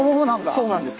そうなんです。